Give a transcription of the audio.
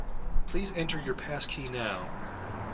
Please enter your passkey now